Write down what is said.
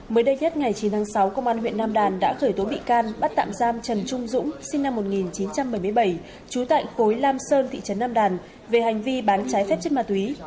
mới đây nhất ngày chín tháng sáu công an huyện nam đàn đã khởi tố bị can bắt tạm giam trần trung dũng sinh năm một nghìn chín trăm bảy mươi bảy trú tại khối lam sơn thị trấn nam đàn về hành vi bán trái phép chất ma túy